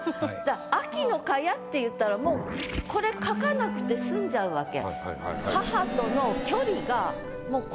「秋の蚊帳」って言ったらこれ書かなくて済んじゃうわけ。